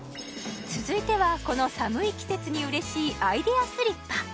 続いてはこの寒い季節に嬉しいアイデアスリッパ